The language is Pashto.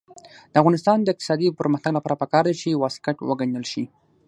د افغانستان د اقتصادي پرمختګ لپاره پکار ده چې واسکټ وګنډل شي.